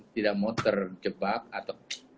tidak mau terjebak atau